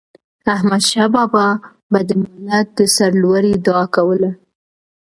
احمدشاه بابا به د ملت د سرلوړی دعا کوله.